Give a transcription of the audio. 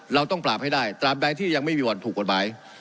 เราต้องปราบให้ได้ตราบใดที่ยังไม่มีวันถูกกฎหมาย